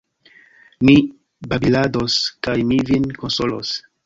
Ni babilados, kaj mi vin konsolos.